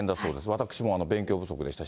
私も勉強不足でした。